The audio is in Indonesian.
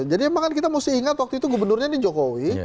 emang kan kita mesti ingat waktu itu gubernurnya ini jokowi